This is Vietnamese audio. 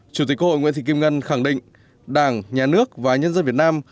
chủ tịch hội nguyễn thị kim ngân khẳng định đảng nhà nước và nhân dân việt nam